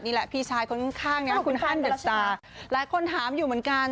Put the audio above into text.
นี่แหละพี่ชายคนข้างนะคุณฮันเดอะตาหลายคนถามอยู่เหมือนกัน